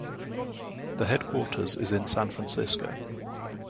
The headquarters is in San Francisco.